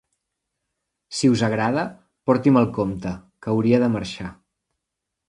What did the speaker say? Si us agrada, porti'm el compte, que hauria de marxar.